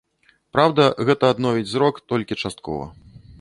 Праўда, гэта адновіць зрок толькі часткова.